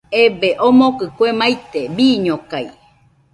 Ebee, omokɨ kue maite, bɨñokaɨɨɨ